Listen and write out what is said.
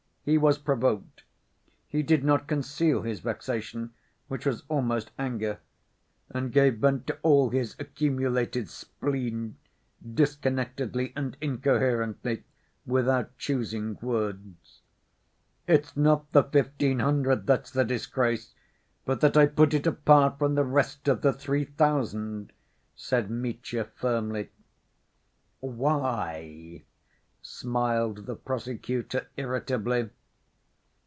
He was provoked. He did not conceal his vexation, which was almost anger, and gave vent to all his accumulated spleen, disconnectedly and incoherently, without choosing words. "It's not the fifteen hundred that's the disgrace, but that I put it apart from the rest of the three thousand," said Mitya firmly. "Why?" smiled the prosecutor irritably.